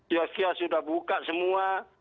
ya sudah buka semua